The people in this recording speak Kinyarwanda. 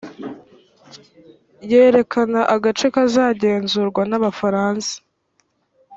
yerekana agace kazagenzurwa n abafaransa